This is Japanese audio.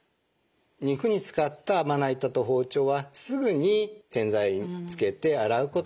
肉に使ったまな板と包丁はすぐに洗剤につけて洗うことも重要なんですね。